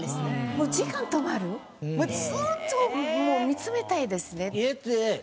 もうずっと見つめたいですね。